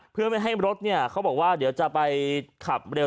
เพื่อไม่ให้รถเขาบอกว่าเดี๋ยวจะไปขับเร็ว